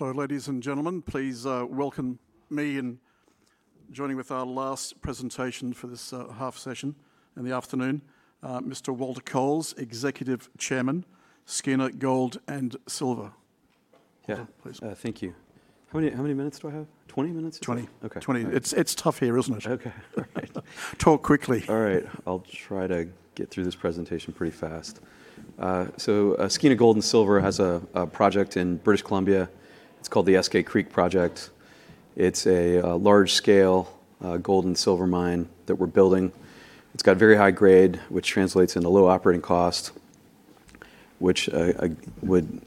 Ladies and gentlemen, please join me in welcoming our last presentation for this half session in the afternoon, Mr. Walter Coles, Executive Chairman, Skeena Gold & Silver. Walter, please. Yeah. Thank you. How many minutes do I have? 20 minutes? 20. Okay. It's tough here, isn't it? Okay. All right. Talk quickly. All right. I'll try to get through this presentation pretty fast. Skeena Gold & Silver has a project in British Columbia. It's called the Eskay Creek Project. It's a large-scale gold and silver mine that we're building. It's got very high grade, which translates into low operating cost, which would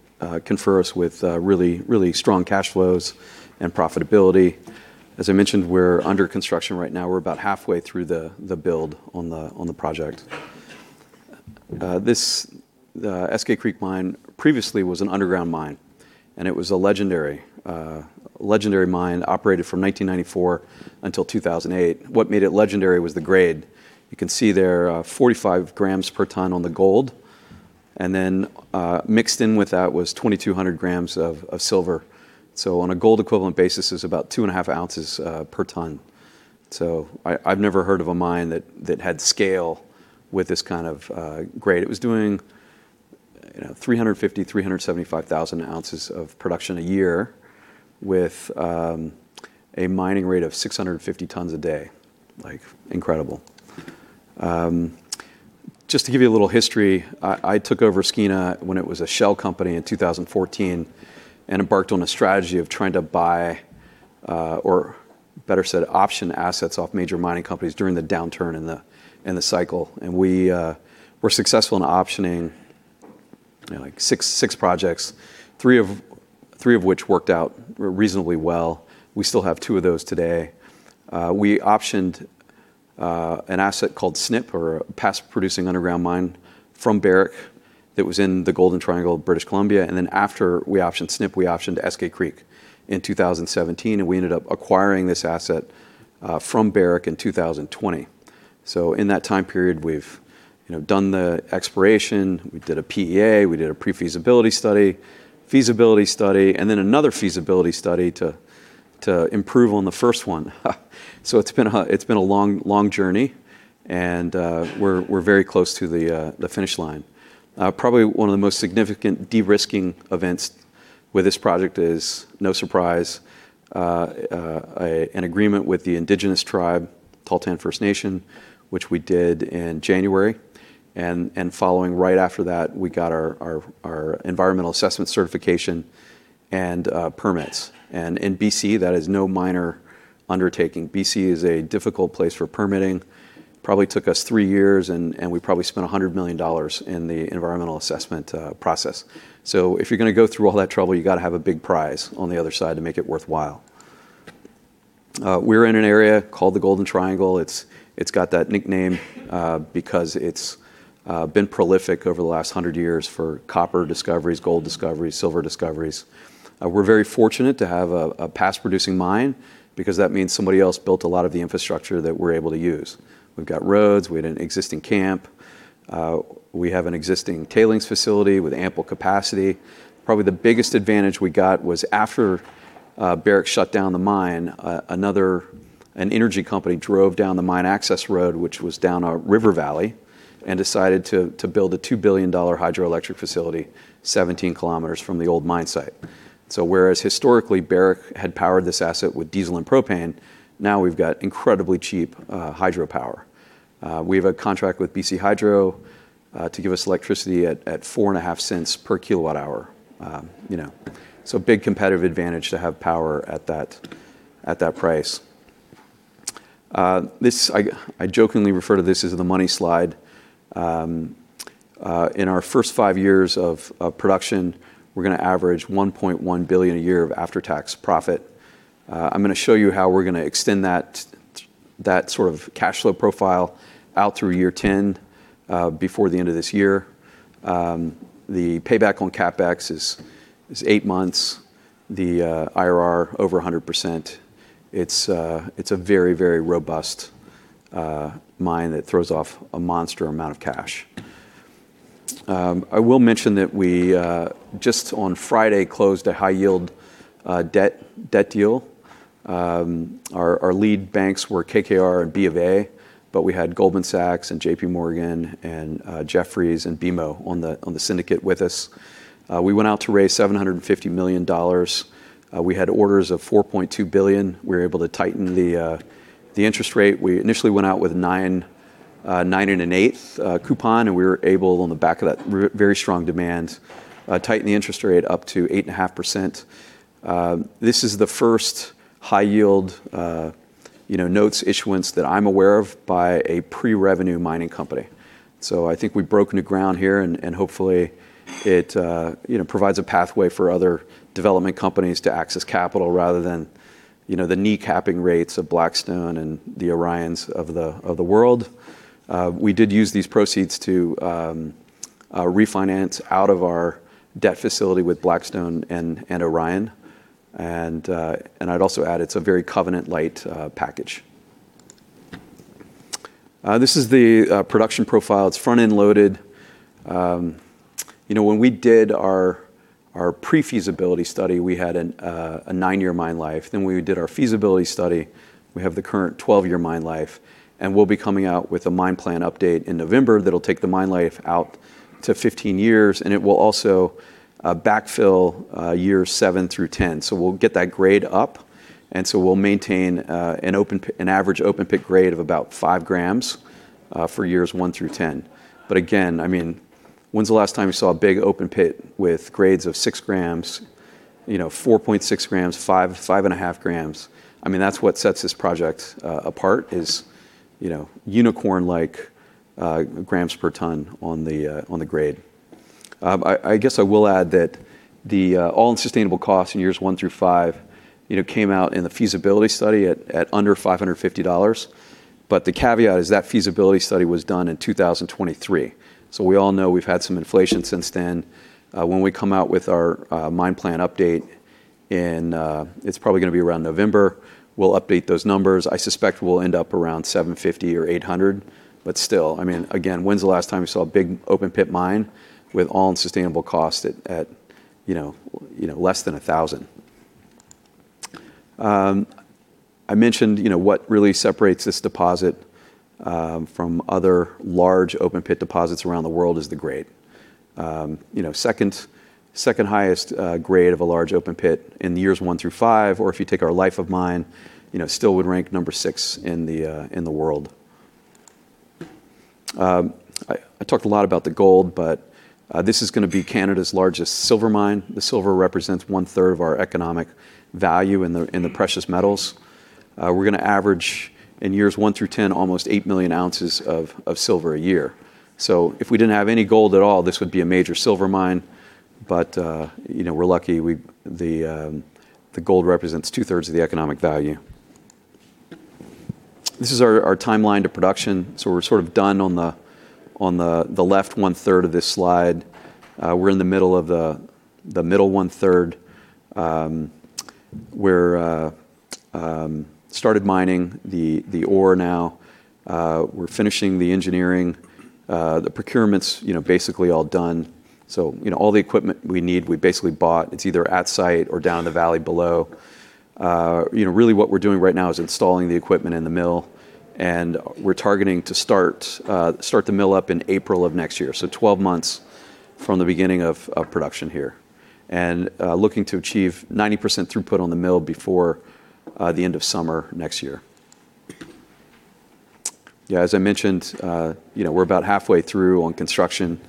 confer us with really strong cash flows and profitability. As I mentioned, we're under construction right now. We're about halfway through the build on the project. The Eskay Creek Mine previously was an underground mine, and it was a legendary mine operated from 1994 until 2008. What made it legendary was the grade. You can see there 45 grams per ton on the gold, and then mixed in with that was 2,200 grams of silver. On a gold equivalent basis, it's about 2.5 ounces per ton. I've never heard of a mine that had scale with this kind of grade. It was doing 350,000 ounces-375,000 ounces of production a year with a mining rate of 650 tons a day. Incredible. Just to give you a little history, I took over Skeena when it was a Shell company in 2014 and embarked on a strategy of trying to buy, or better said, option assets off major mining companies during the downturn in the cycle. We were successful in optioning six projects, three of which worked out reasonably well. We still have two of those today. We optioned an asset called Snip, or past-producing underground mine, from Barrick that was in the Golden Triangle, British Columbia. After we optioned Snip, we optioned Eskay Creek in 2017, and we ended up acquiring this asset from Barrick in 2020. In that time period, we've done the exploration, we did a PEA, we did a pre-feasibility study, feasibility study, and then another feasibility study to improve on the first one. It's been a long journey, and we're very close to the finish line. Probably one of the most significant de-risking events with this project is, no surprise, an agreement with the indigenous tribe, Tahltan First Nation, which we did in January. Following right after that, we got our Environmental Assessment Certification and permits. In B.C., that is no minor undertaking. B.C. is a difficult place for permitting. Probably took us three years, and we probably spent 100 million dollars in the environmental assessment process. If you're going to go through all that trouble, you got to have a big prize on the other side to make it worthwhile. We're in an area called the Golden Triangle. It's got that nickname because it's been prolific over the last 100 years for copper discoveries, gold discoveries, silver discoveries. We're very fortunate to have a past-producing mine because that means somebody else built a lot of the infrastructure that we're able to use. We've got roads. We had an existing camp. We have an existing tailings facility with ample capacity. Probably the biggest advantage we got was after Barrick shut down the mine, an energy company drove down the mine access road, which was down a river valley, and decided to build a 2 billion dollar hydroelectric facility 17 km from the old mine site. Whereas historically, Barrick had powered this asset with diesel and propane, now we've got incredibly cheap hydro power. We have a contract with BC Hydro to give us electricity at 0.045 per kWh. Big competitive advantage to have power at that price. I jokingly refer to this as the money slide. In our first five years of production, we're going to average $1.1 billion a year of after-tax profit. I'm going to show you how we're going to extend that sort of cash flow profile out through year 10 before the end of this year. The payback on CapEx is eight months. The IRR, over 100%. It's a very, very robust mine that throws off a monster amount of cash. I will mention that we, just on Friday, closed a high-yield debt deal. Our lead banks were KKR and BofA, but we had Goldman Sachs and JP Morgan and Jefferies and BMO on the syndicate with us. We went out to raise $750 million. We had orders of $4.2 billion. We were able to tighten the interest rate. We initially went out with 9 1/8 coupon, and we were able, on the back of that very strong demand, tighten the interest rate up to 8.5%. This is the first high-yield notes issuance that I'm aware of by a pre-revenue mining company. I think we've broken the ground here, and hopefully, it provides a pathway for other development companies to access capital rather than the knee-capping rates of Blackstone and the Orions of the world. We did use these proceeds to refinance out of our debt facility with Blackstone and Orion. I'd also add it's a very covenant-light package. This is the production profile. It's front-end loaded. When we did our pre-feasibility study, we had a nine-year mine life. We did our feasibility study, we have the current 12-year mine life. We'll be coming out with a Mine Plan Update in November that'll take the mine life out to 15 years, and it will also backfill years seven through 10. We'll get that grade up, and so we'll maintain an average open-pit grade of about five grams for years one through 10. Again, when's the last time you saw a big open-pit with grades of six grams, 4.6 grams, five and a half grams? That's what sets this project apart, is unicorn-like grams per ton on the grade. I guess I will add that the all-in sustaining costs in years one through five came out in the Feasibility Study at under $550. The caveat is that Feasibility Study was done in 2023. We all know we've had some inflation since then. When we come out with our mine plan update, it's probably going to be around November, we'll update those numbers. I suspect we'll end up around 750 or 800. Still, again, when's the last time you saw a big open-pit mine with all-in sustaining cost at less than 1,000? I mentioned, what really separates this deposit from other large open-pit deposits around the world is the grade. Second-highest grade of a large open pit in the years 1-5, or if you take our life of mine, still would rank number 6 in the world. I talked a lot about the gold, but this is going to be Canada's largest silver mine. The silver represents 1/3 of our economic value in the precious metals. We're going to average, in years 1-10, almost 8 million ounces of silver a year. If we didn't have any gold at all, this would be a major silver mine. We're lucky the gold represents 2/3 of the economic value. This is our timeline to production. We're sort of done on the left one-third of this slide. We're in the middle of the middle one-third. We're started mining the ore now. We're finishing the engineering. The procurement's basically all done. All the equipment we need, we basically bought. It's either at site or down in the valley below. Really what we're doing right now is installing the equipment in the mill, and we're targeting to start the mill up in April of next year. 12 months from the beginning of production here. Looking to achieve 90% throughput on the mill before the end of summer next year. As I mentioned, we're about halfway through on construction.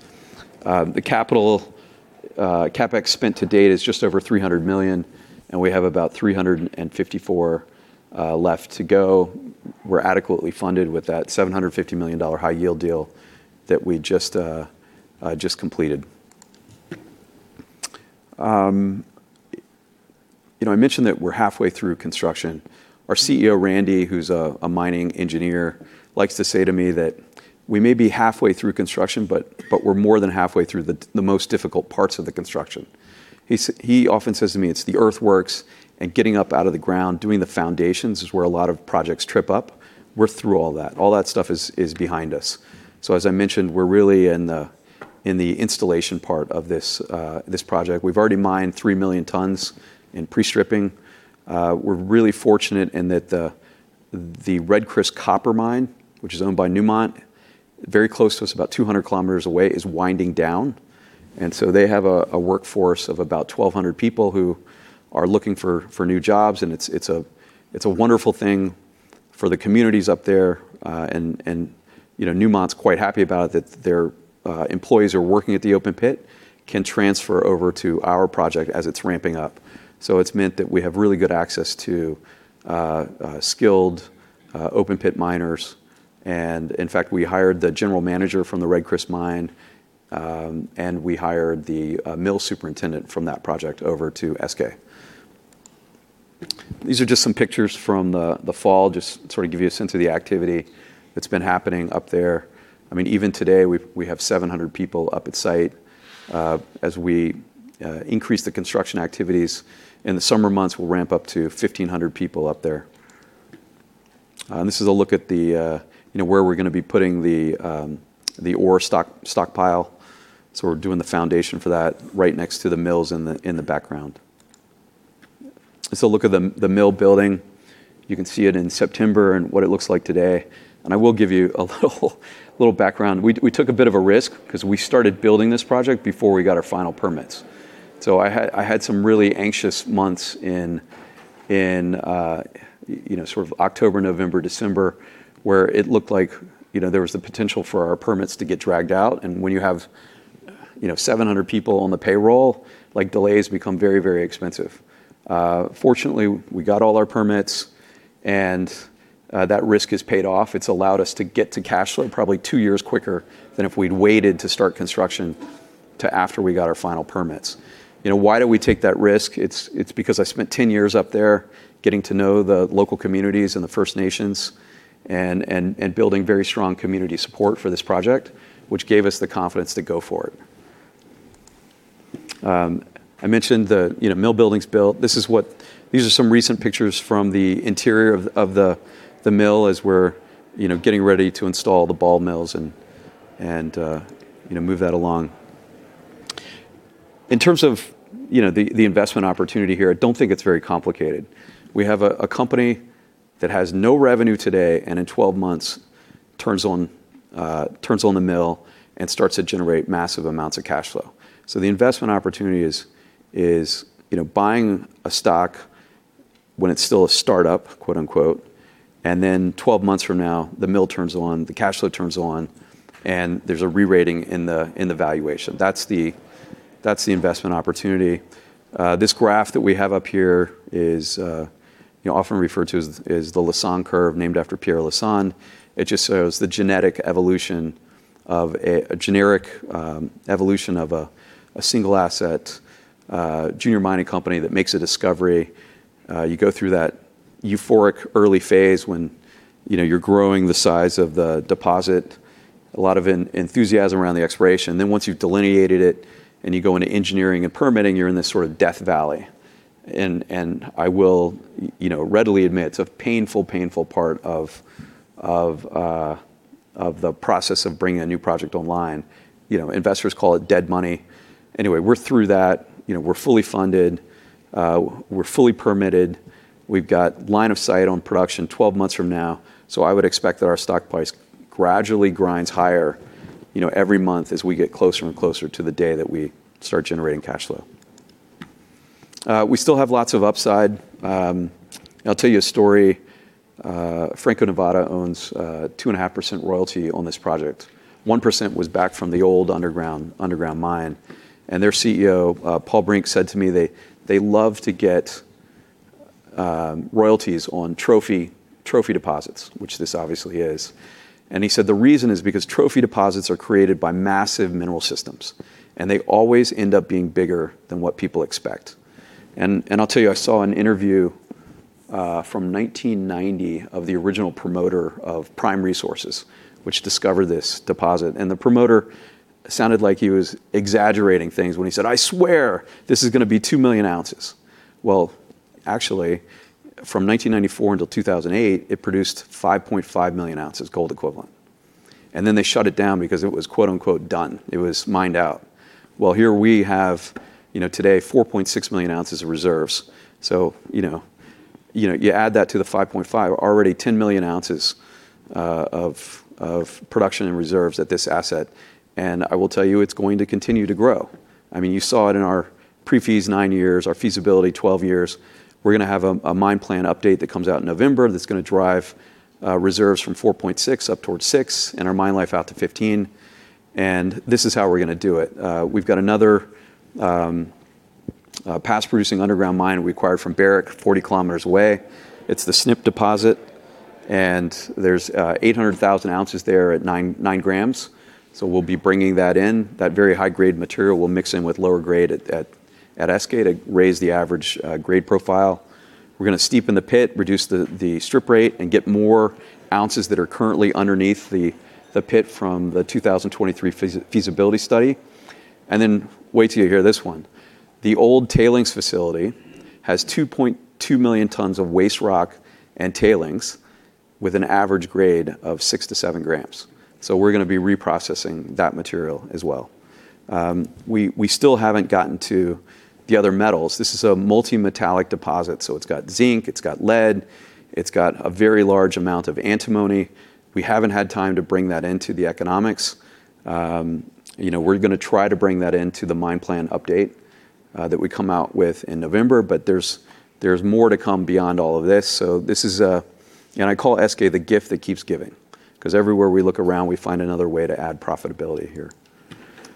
CapEx spent to date is just over 300 million, and we have about 354 left to go. We're adequately funded with that 750 million dollar high-yield deal that we just completed. I mentioned that we're halfway through construction. Our CEO, Randy, who's a mining engineer, likes to say to me that we may be halfway through construction, but we're more than halfway through the most difficult parts of the construction. He often says to me, it's the earthworks and getting up out of the ground, doing the foundations is where a lot of projects trip up. We're through all that. All that stuff is behind us. As I mentioned, we're really in the installation part of this project. We've already mined three million tons in pre-stripping. We're really fortunate in that the Red Chris copper mine, which is owned by Newmont, very close to us, about 200 km away, is winding down. They have a workforce of about 1,200 people who are looking for new jobs, and it's a wonderful thing for the communities up there. Newmont's quite happy about it that their employees who are working at the open pit can transfer over to our project as it's ramping up. It's meant that we have really good access to skilled open-pit miners. In fact, we hired the General Manager from the Red Chris mine, and we hired the Mill Superintendent from that project over to Eskay. These are just some pictures from the fall, just to sort of give you a sense of the activity that's been happening up there. Even today, we have 700 people up at site. As we increase the construction activities, in the summer months, we'll ramp up to 1,500 people up there. This is a look at where we're going to be putting the ore stockpile. So we're doing the foundation for that right next to the mills in the background. This a look at the mill building. You can see it in September and what it looks like today. And I will give you a little background. We took a bit of a risk because we started building this project before we got our final permits. So I had some really anxious months in October, November, December, where it looked like there was the potential for our permits to get dragged out, and when you have 700 people on the payroll, delays become very, very expensive. Fortunately, we got all our permits, and that risk has paid off. It's allowed us to get to cash flow probably two years quicker than if we'd waited to start construction to after we got our final permits. Why did we take that risk? It's because I spent 10 years up there getting to know the local communities and the First Nations and building very strong community support for this project, which gave us the confidence to go for it. I mentioned the mill building's built. These are some recent pictures from the interior of the mill as we're getting ready to install the ball mills and move that along. In terms of the investment opportunity here, I don't think it's very complicated. We have a company that has no revenue today, and in 12 months turns on the mill and starts to generate massive amounts of cash flow. The investment opportunity is buying a stock when it's still a startup, quote unquote, and then 12 months from now, the mill turns on, the cash flow turns on, and there's a re-rating in the valuation. That's the investment opportunity. This graph that we have up here is often referred to as the Lassonde Curve, named after Pierre Lassonde. It just shows the genetic evolution of a single-asset junior mining company that makes a discovery. You go through that euphoric early phase when you're growing the size of the deposit, a lot of enthusiasm around the exploration. Once you've delineated it and you go into engineering and permitting, you're in this sort of death valley. I will readily admit it's a painful part of the process of bringing a new project online. Investors call it dead money. Anyway, we're through that. We're fully funded. We're fully permitted. We've got line of sight on production 12 months from now. I would expect that our stock price gradually grinds higher every month as we get closer and closer to the day that we start generating cash flow. We still have lots of upside. I'll tell you a story. Franco-Nevada owns 2.5% royalty on this project. 1% was back from the old underground mine. Their CEO, Paul Brink, said to me they love to get royalties on trophy deposits, which this obviously is. He said the reason is because trophy deposits are created by massive mineral systems, and they always end up being bigger than what people expect. I'll tell you, I saw an interview from 1990 of the original promoter of Prime Resources, which discovered this deposit, and the promoter sounded like he was exaggerating things when he said, "I swear this is going to be 2 million ounces." Well, actually, from 1994 until 2008, it produced 5.5 million ounces gold equivalent. They shut it down because it was, quote unquote, done. It was mined out. Well, here we have today 4.6 million ounces of reserves. You add that to the 5.5, already 10 million ounces of production in reserves at this asset. I will tell you, it's going to continue to grow. You saw it in our pre-feas nine years, our feasibility 12 years. We're going to have a mine plan update that comes out in November that's going to drive reserves from 4.6 up towards six and our mine life out to 15. This is how we're going to do it. We've got another past-producing underground mine we acquired from Barrick 40 km away. It's the Snip deposit, and there's 800,000 ounces there at nine grams. We'll be bringing that in. That very high-grade material will mix in with lower grade at Eskay to raise the average grade profile. We're going to steepen the pit, reduce the strip rate, and get more ounces that are currently underneath the pit from the 2023 feasibility study. Wait till you hear this one. The old tailings facility has 2.2 million tons of waste rock and tailings with an average grade of 6 grams-7 grams. We're going to be reprocessing that material as well. We still haven't gotten to the other metals. This is a multi-metallic deposit, so it's got zinc, it's got lead, it's got a very large amount of antimony. We haven't had time to bring that into the economics. We're going to try to bring that into the mine plan update that we come out with in November, but there's more to come beyond all of this. I call Eskay the gift that keeps giving. Because everywhere we look around, we find another way to add profitability here.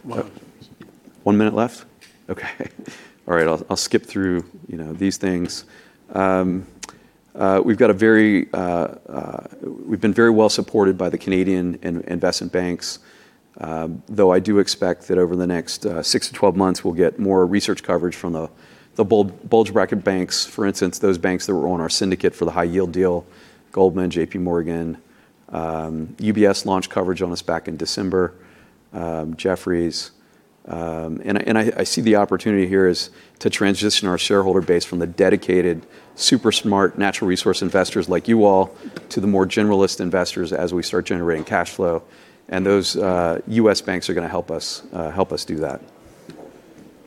One minute left? Okay. All right, I'll skip through these things. We've been very well-supported by the Canadian investment banks, though I do expect that over the next six-12 months, we'll get more research coverage from the bulge bracket banks. For instance, those banks that were on our syndicate for the high-yield deal, Goldman, J.P. Morgan, UBS launched coverage on us back in December, Jefferies. I see the opportunity here is to transition our shareholder base from the dedicated, super smart natural resource investors like you all to the more generalist investors as we start generating cash flow. Those U.S. banks are going to help us do that.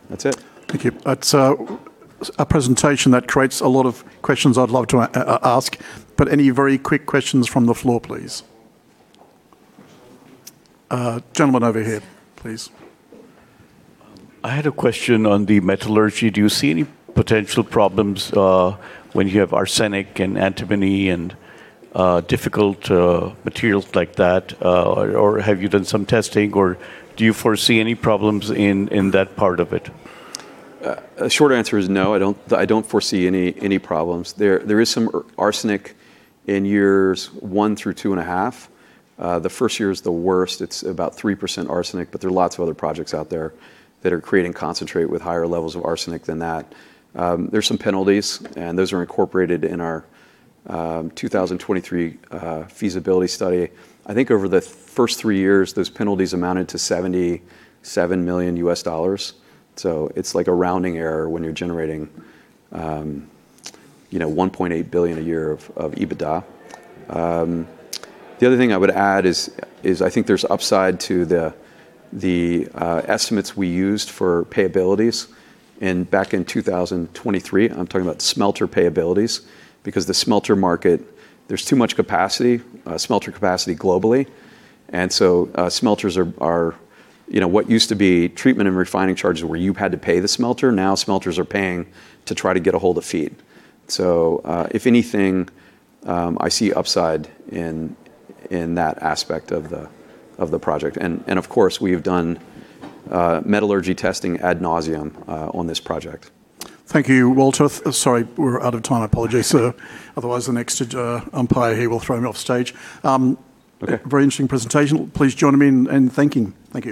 That's it. Thank you. That's a presentation that creates a lot of questions I'd love to ask, but any very quick questions from the floor, please? Gentleman over here, please. I had a question on the metallurgy. Do you see any potential problems when you have arsenic and antimony and difficult materials like that? Have you done some testing, or do you foresee any problems in that part of it? The short answer is no. I don't foresee any problems there. There is some arsenic in years one through two and a half. The first year is the worst. It's about 3% arsenic, but there are lots of other projects out there that are creating concentrate with higher levels of arsenic than that. There's some penalties, and those are incorporated in our 2023 feasibility study. I think over the first three years, those penalties amounted to $77 million. It's like a rounding error when you're generating 1.8 billion a year of EBITDA. The other thing I would add is I think there's upside to the estimates we used for payabilities back in 2023. I'm talking about smelter payabilities, because the smelter market, there's too much capacity, smelter capacity globally. Smelters are what used to be treatment and refining charges where you had to pay the smelter. Now smelters are paying to try to get ahold of feed. If anything, I see upside in that aspect of the project. Of course, we have done metallurgy testing ad nauseam on this project. Thank you, Walter. Sorry, we're out of time. I apologize, sir. Otherwise, the next umpire here will throw me off stage. Okay. Very interesting presentation. Please join me in thanking, thank you.